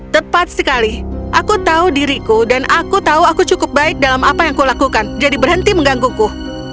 tepat sekali aku tahu diriku dan aku tahu aku cukup baik dalam apa yang kulakukan jadi berhenti menggangguku